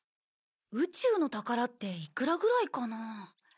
宇宙の宝っていくらぐらいかな？